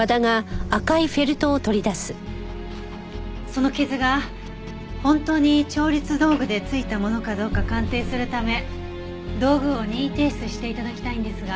その傷が本当に調律道具でついたものかどうか鑑定するため道具を任意提出して頂きたいんですが。